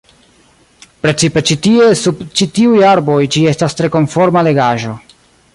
Precipe ĉi tie, sub ĉi tiuj arboj ĝi estas tre konforma legaĵo.